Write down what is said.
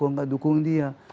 kok tidak dukung dia